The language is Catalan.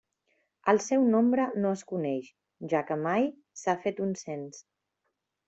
El seu nombre no es coneix, ja que mai s'ha fet un cens.